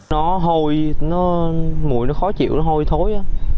nó hôi mùi nó khó chịu nó hôi thối